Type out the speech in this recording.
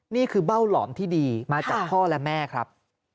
เบ้าหลอมที่ดีมาจากพ่อและแม่ครับ